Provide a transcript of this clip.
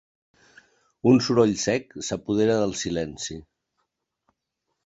Un soroll sec s'apodera del silenci.